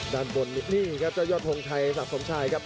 ด้านบนนี้นี่ครับจะยอดฮงชัยสักสมชายครับ